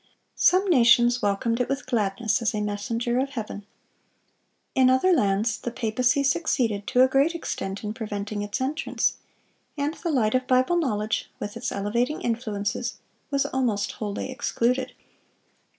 Some nations welcomed it with gladness, as a messenger of Heaven. In other lands, the papacy succeeded to a great extent in preventing its entrance; and the light of Bible knowledge, with its elevating influences, was almost wholly excluded.